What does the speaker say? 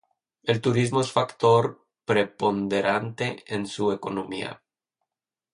El turismo es factor preponderante en su economía.